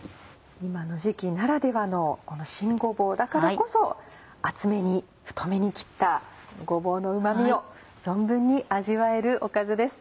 今の時期ならではのこの新ごぼうだからこそ厚めに太めに切ったごぼうのうま味を存分に味わえるおかずです。